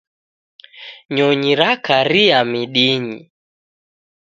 Nyonyi rakaria midinyi.